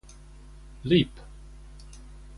Leap!